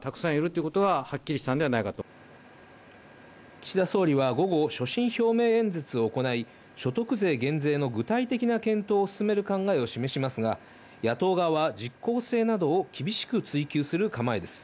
岸田総理は午後、所信表明演説を行い、所得税減税の具体的な検討を進める考えを示しますが、野党側は実効性などを厳しく追及する構えです。